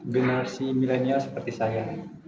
generasi milenial seperti saya